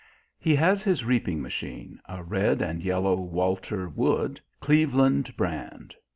He has his reaping machine, a red and yellow "Walter Wood" Cleveland brand.